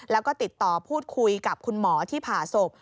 แล้วก็ติดต่อพูดคุยกับคุณหมอที่ผ่าศพ